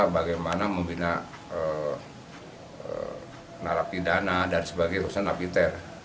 bagaimana membina narapi dana dan sebagai usaha napiter